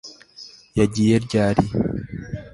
Yagiye ryari